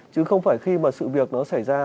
chứ không phải khi mà sự việc nó xảy ra